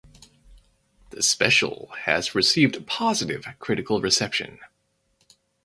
The special has received positive critical reception.